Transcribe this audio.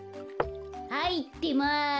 はいってます。